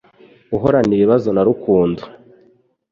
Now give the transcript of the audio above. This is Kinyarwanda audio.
Uhorana ibibazo na Rukundo